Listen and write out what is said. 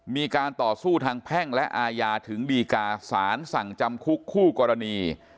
มีการต่อสู้ทางแพ่งและอาญาถึงดีกาสารสั่งจำคุกคู่กรณี